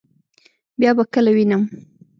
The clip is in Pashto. بیا به کله وینم؟